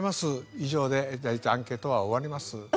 以上でアンケートは終わります。